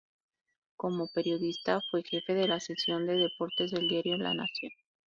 Como periodista fue jefe de la sección de deportes del diario "La Nación".